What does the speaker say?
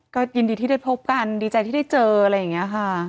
ก็ยินดีที่ได้พบกันดีใจที่ได้เจออะไรอย่างนี้ค่ะ